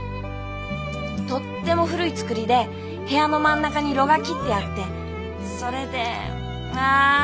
「とっても古い造りで部屋の真ん中に炉が切ってあってそれでああ